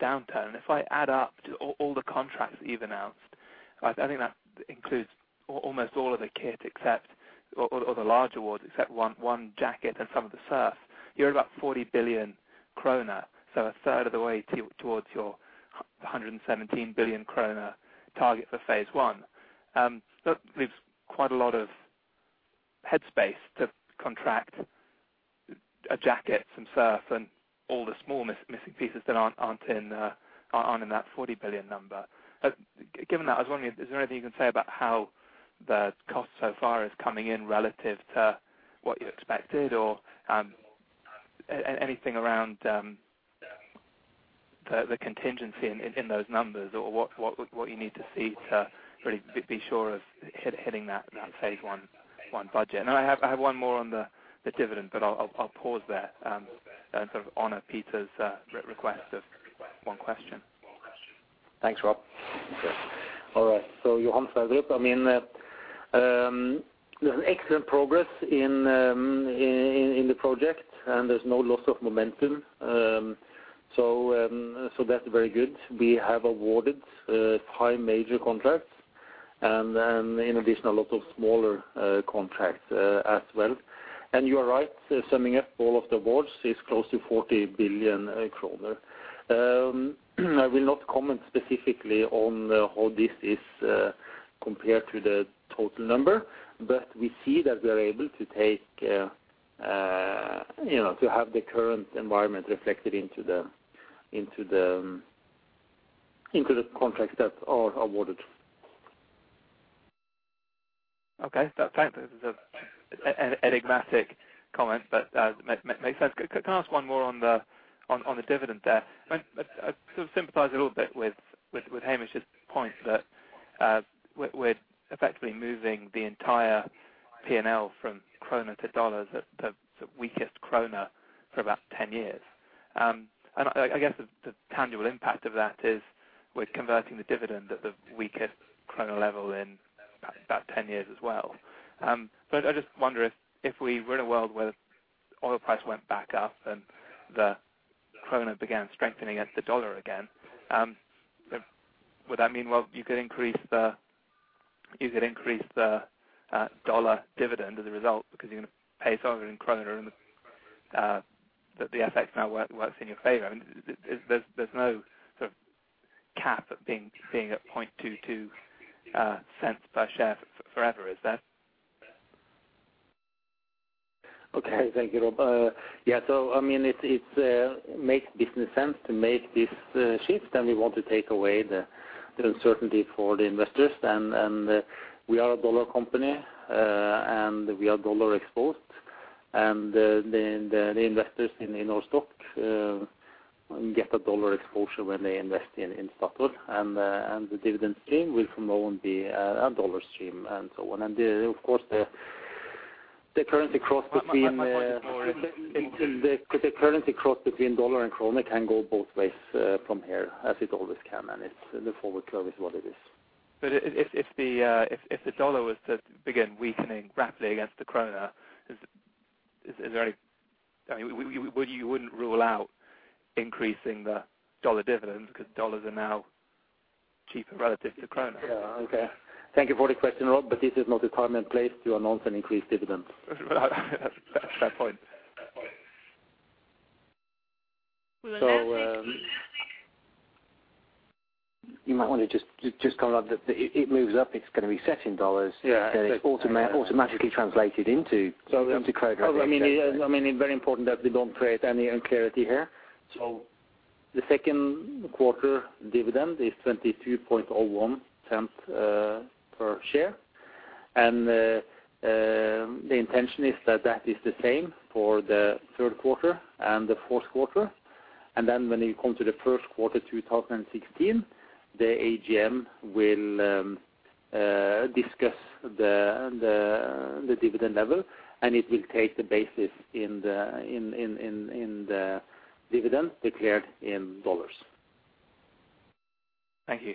downturn. If I add up all the contracts that you've announced, I think that includes almost all of the kit except the large awards, except one jacket and some of the SURF. You're about 40 billion kroner, so a third of the way towards your 117 billion krona target for phase one. That leaves quite a lot of headspace to contract a jacket, some SURF, and all the small missing pieces that aren't in that 40 billion number. Given that, I was wondering is there anything you can say about how the cost so far is coming in relative to what you expected or anything around the contingency in those numbers or what you need to see to really be sure of hitting that phase one budget? I have one more on the dividend, but I'll pause there and sort of honor Peter's request of one question. Thanks, Rob. All right. Johan Sverdrup, I mean, there's an excellent progress in the project, and there's no loss of momentum. That's very good. We have awarded five major contracts and then in addition, a lot of smaller contracts as well. You are right, summing up all of the awards is close to 40 billion kroner. I will not comment specifically on how this is compared to the total number. We see that we are able to take, you know, to have the current environment reflected into the contracts that are awarded. Okay. That's an enigmatic comment but makes sense. Could I ask one more on the dividend there? I sort of sympathize a little bit with Hamish's point that we're effectively moving the entire P&L from krone to dollars at the weakest krone for about 10 years. I guess the tangible impact of that is we're converting the dividend at the weakest krone level in about 10 years as well. I just wonder if we were in a world where the oil price went back up and the krone began strengthening against the dollar again, would that mean you could increase the dollar dividend as a result because you're gonna pay it all in krone and the FX now works in your favor? I mean, there's no sort of cap being at $0.22 per share forever, is there? Okay, thank you, Rob. Yeah, I mean, it makes business sense to make this shift, and we want to take away the uncertainty for the investors. We are a dollar company, and we are dollar exposed. The investors in our stock get a dollar exposure when they invest in Statoil. The dividend stream will from now on be a dollar stream and so on. Of course, the currency cross between. I'm not quite sure. The currency cross between dollar and krona can go both ways, from here as it always can, and it's the forward curve is what it is. If the US dollar was to begin weakening rapidly against the krone, is there any I mean, would you wouldn't rule out increasing the US dollar dividend because US dollars are now cheaper relative to krone? Yeah. Okay. Thank you for the question, Rob, but this is not the right place to announce an increased dividend. That's a fair point. We'll now take. So, um- You might want to just comment on it. It moves up. It's gonna be set in US dollars. Yeah. It's automatically translated into krone. I mean, it's very important that we don't create any unclarity here. The second quarter dividend is $0.2201 per share. The intention is that that is the same for the third quarter and the fourth quarter. When you come to the first quarter 2016, the AGM will discuss the dividend level, and it will take its basis in the dividend declared in dollars. Thank you.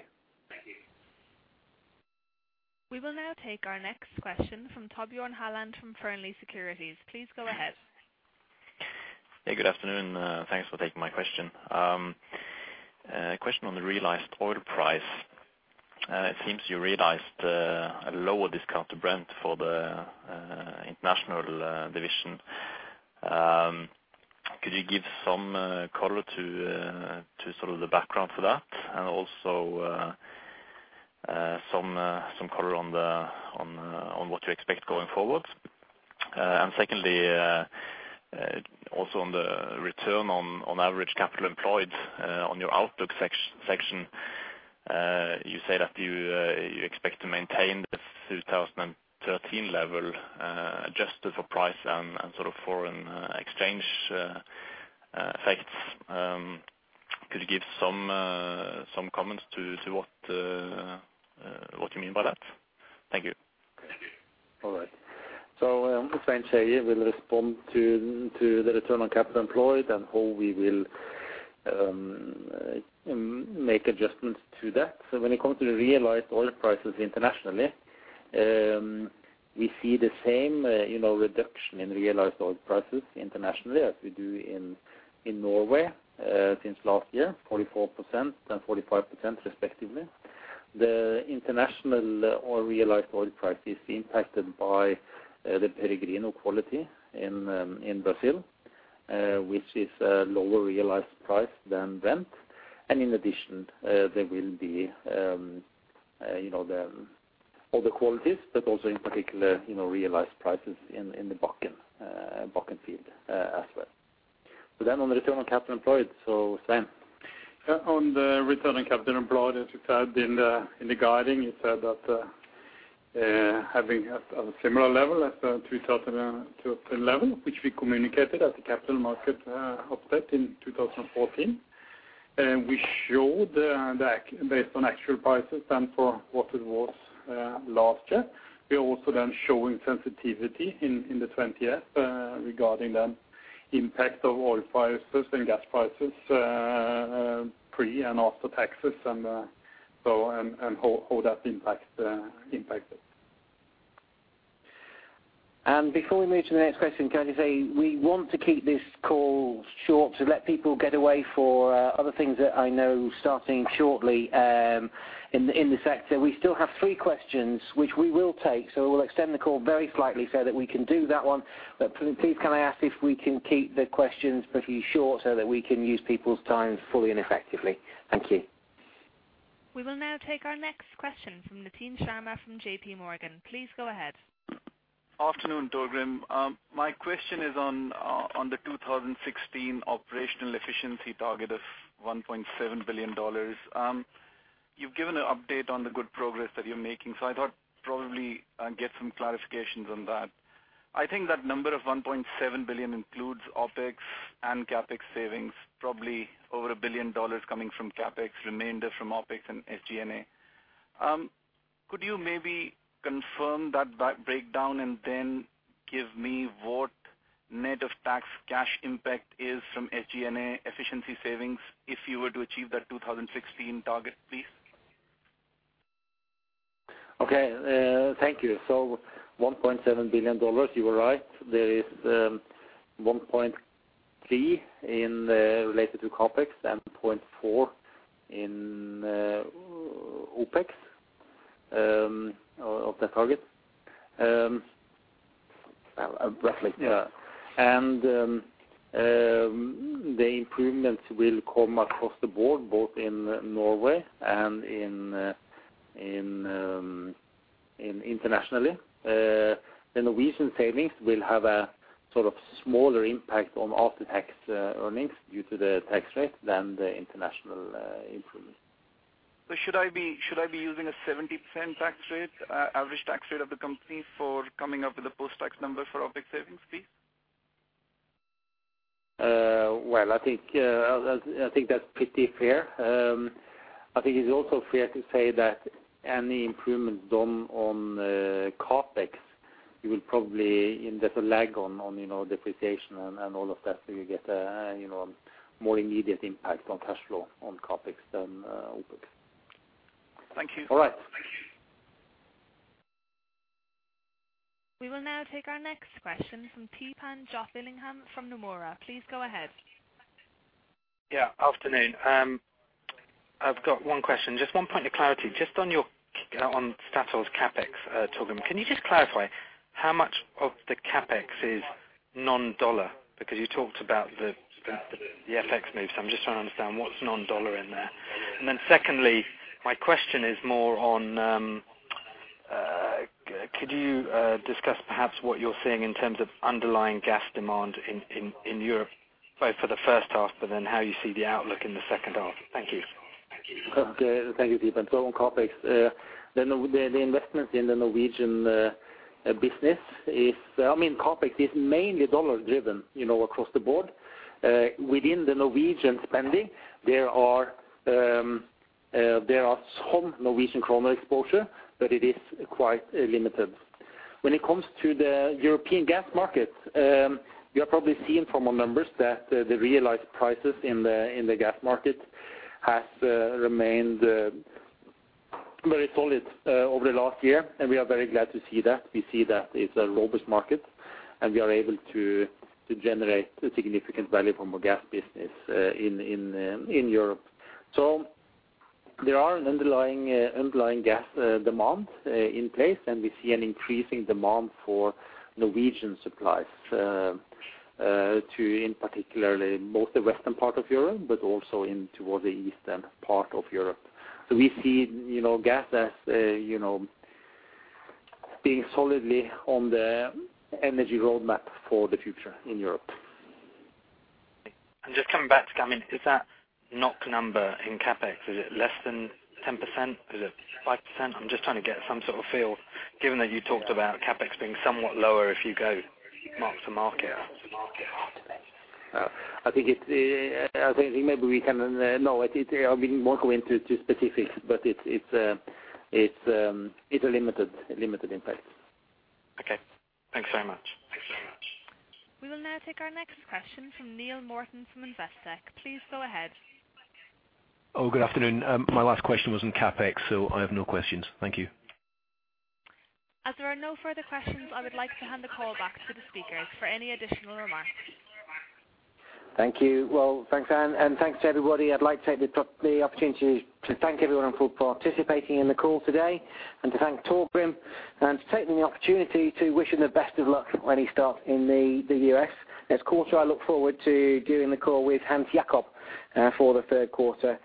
We will now take our next question from Torbjørn Tungesvik from Fearnley Securities. Please go ahead. Hey, good afternoon. Thanks for taking my question. A question on the realized oil price. It seems you realized a lower discount to Brent for the international division. Could you give some color to sort of the background for that and also some color on what you expect going forward? Secondly, also on the return on average capital employed, on your outlook section, you say that you expect to maintain the 2013 level, adjusted for price and sort of foreign exchange effects. Could you give some comments to what you mean by that? Thank you. All right. Svein Skeie will respond to the return on capital employed and how we will make adjustments to that. When it comes to the realized oil prices internationally, we see the same, you know, reduction in realized oil prices internationally as we do in Norway since last year, 44% and 45% respectively. The international oil realized oil price is impacted by the Peregrino quality in Brazil, which is a lower realized price than Brent. In addition, there will be, you know, the other qualities, but also in particular, realized prices in the Bakken field as well. Then on the return on capital employed, Svein. On the return on capital employed, as we said in the guidance, we said that having a similar level as the 2013 level, which we communicated at the capital market update in 2014. We showed that based on actual prices and for what it was last year. We are also showing sensitivity in the 20F regarding the impact of oil prices and gas prices pre and after taxes and how that impacts it. Before we move to the next question, can I just say we want to keep this call short to let people get away for other things that I know starting shortly in the sector. We still have three questions, which we will take. We'll extend the call very slightly so that we can do that one. Please, can I ask if we can keep the questions pretty short so that we can use people's time fully and effectively? Thank you. We will now take our next question from Christyan Malek from J.P. Morgan. Please go ahead. Afternoon, Torgrim. My question is on the 2016 operational efficiency target of $1.7 billion. You've given an update on the good progress that you're making, so I thought probably get some clarifications on that. I think that number of $1.7 billion includes OpEx and CapEx savings, probably over $1 billion coming from CapEx, remainder from OpEx and SG&A. Could you maybe confirm that breakdown and then give me what net of tax cash impact is from SG&A efficiency savings if you were to achieve that 2016 target, please? Okay, thank you. $1.7 billion, you are right. There is $1.3 billion in related to CapEx and $0.4 billion in OpEx of the target. Roughly. The improvements will come across the board, both in Norway and internationally. The Norwegian savings will have a sort of smaller impact on after-tax earnings due to the tax rate than the international improvement. Should I be using a 70% tax rate, average tax rate of the company for coming up with a post-tax number for OpEx savings, please? Well, I think that's pretty fair. I think it's also fair to say that any improvements done on CapEx, you will probably, there's a lag on you know, depreciation and all of that. You get you know, more immediate impact on cash flow on CapEx than OpEx. Thank you. All right. Thank you. We will now take our next question from Theepan Jothilingam from Nomura. Please go ahead. Yeah, afternoon. I've got one question, just one point of clarity. Just on Statoil's CapEx, Torgrim, can you just clarify how much of the CapEx is non-dollar? Because you talked about the FX move, so I'm just trying to understand what's non-dollar in there. Secondly, my question is more on, could you discuss perhaps what you're seeing in terms of underlying gas demand in Europe, both for the first half, but then how you see the outlook in the second half? Thank you. Okay. Thank you, Theepan. On CapEx, the investment in the Norwegian business is, I mean, CapEx is mainly dollar-driven, you know, across the board. Within the Norwegian spending, there are some Norwegian kroner exposure, but it is quite limited. When it comes to the European gas markets, you have probably seen from our numbers that the realized prices in the gas market has remained very solid over the last year, and we are very glad to see that. We see that it's a robust market, and we are able to generate a significant value from our gas business in Europe. There are an underlying gas demand in place, and we see an increasing demand for Norwegian supplies too, in particular both the western part of Europe, but also into the eastern part of Europe. We see, you know, gas as, you know being solidly on the energy roadmap for the future in Europe. Just coming back to, I mean, is that NOK number in CapEx, is it less than 10%? Is it 5%? I'm just trying to get some sort of feel given that you talked about CapEx being somewhat lower if you go mark to market. I think I won't go into specifics, but it's a limited impact. Okay. Thanks very much. We will now take our next question from Neil Morton from Investec. Please go ahead. Oh, good afternoon. My last question was on CapEx, so I have no questions. Thank you. As there are no further questions, I would like to hand the call back to the speakers for any additional remarks. Thank you. Well, thanks, Anne, and thanks to everybody. I'd like to take the opportunity to thank everyone for participating in the call today and to thank Torgrim, and to take the opportunity to wish him the best of luck when he starts in the U.S. Next quarter, I look forward to doing the call with Hans Jakob for the third quarter.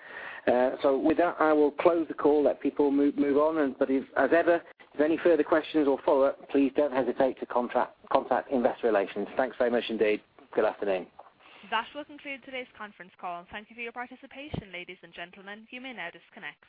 With that, I will close the call, let people move on. If, as ever, if any further questions or follow-up, please don't hesitate to contact investor relations. Thanks very much indeed. Good afternoon. That will conclude today's conference call. Thank you for your participation, ladies and gentlemen. You may now disconnect.